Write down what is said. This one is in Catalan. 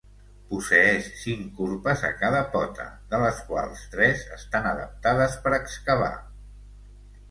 Posseeix cinc urpes a cada pota, de les quals tres estan adaptades per excavar.